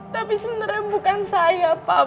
tapi sebenarnya bukan saya pak